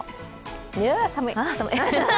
いや、寒い。